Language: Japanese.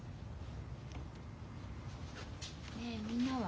ねえみんなは？